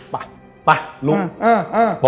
ไปไปลุง